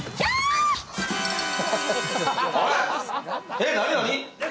えっ何何？